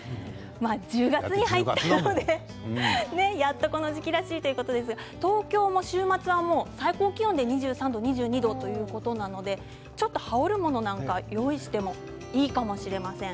１０月に入ったのでやっとこの時期らしいということですが東京も週末は最高気温で２３度、２２度ということですのでちょっと羽織るものを用意してもいいかもしれません。